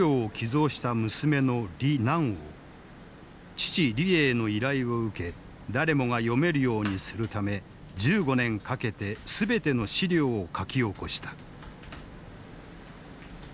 父李鋭の依頼を受け誰もが読めるようにするため１５年かけて全ての史料を書き起こした。